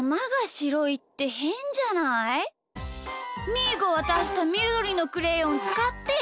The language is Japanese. みーがわたしたみどりのクレヨンつかってよ！